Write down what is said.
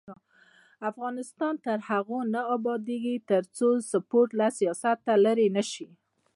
افغانستان تر هغو نه ابادیږي، ترڅو سپورټ له سیاسته لرې نشي.